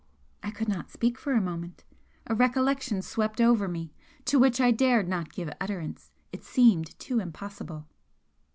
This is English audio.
I could not speak for a moment. A recollection swept over me to which I dared not give utterance, it seemed too improbable.